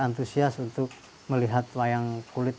antusias untuk melihat wayang kulit